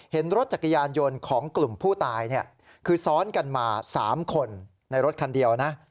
เห็นรถจักรยานยนต์ของกลุ่มผู้ตายคือซ้อนกันมา๓คนในรถคันเดียวนะ